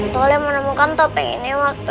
toled menemukan topeng ini waktu